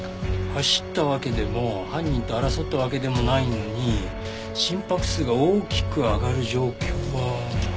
走ったわけでも犯人と争ったわけでもないのに心拍数が大きく上がる状況は。